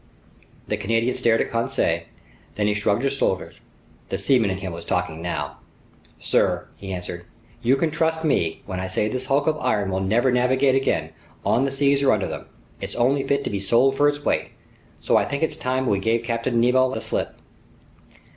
The Canadian stared at Conseil, then he shrugged his shoulders. The seaman in him was talking now. "Sir," he answered, "you can trust me when I say this hunk of iron will never navigate again, on the seas or under them. It's only fit to be sold for its weight. So I think it's time we gave Captain Nemo the slip."